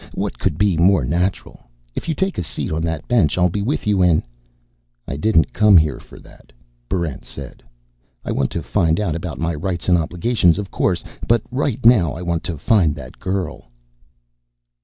What could be more natural? If you take a seat on that bench, I'll be with you in " "I didn't come here for that," Barrent said. "I want to find out about my rights and obligations, of course. But right now, I want to find that girl."